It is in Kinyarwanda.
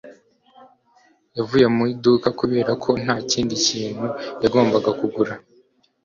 yavuye mu iduka kubera ko nta kindi kintu yagombaga kugura